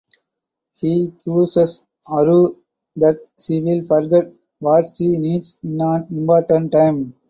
He curses Aru that she will forget what she needs in an important time.